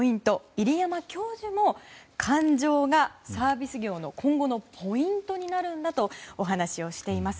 入山教授も感情が、サービス業の今後のポイントになるんだとお話をしています。